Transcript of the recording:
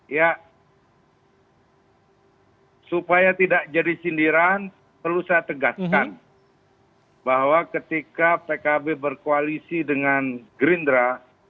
ya supaya tidak jadi sindiran perlu saya tegaskan bahwa ketika pkb berkoalisi dengan gerindra